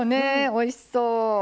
おいしそう。